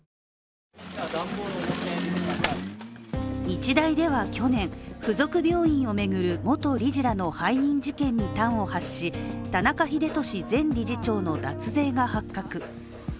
日大では去年、付属病院を巡る元理事らの背任事件に端を発し、田中英寿前理事長の脱税が発覚。